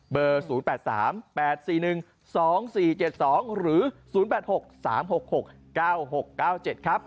เบอร์๐๘๓๘๔๑๒๔๗๒หรือ๐๘๖๓๖๖๙๖๙๗ครับ